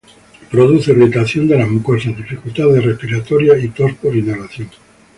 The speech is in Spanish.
Produce irritación de las mucosas, dificultades respiratorias y tos por inhalación.